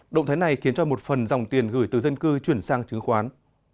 động thái này khiến cho một phần dòng tiền gửi từ dân cư chuyển sang chứng khoán